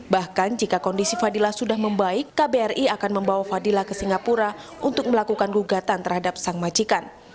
bahkan jika kondisi fadila sudah membaik kbri akan membawa fadila ke singapura untuk melakukan gugatan terhadap sang majikan